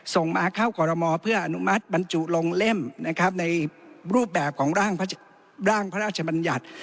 ส่งมาเข้ากรมอเพื่ออนุมัติบรรจุลงเล่มนะครับในรูปแบบของร่างพระราชบัญญัติ